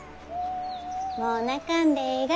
もう泣かんでえいがよ。